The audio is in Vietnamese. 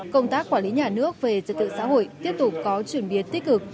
công tác quản lý nhà nước về trật tự xã hội tiếp tục có chuyển biến tích cực